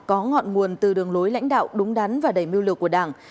có ngọn nguồn từ đường lối lãnh đạo đúng đắn và đầy mưu lược của đảng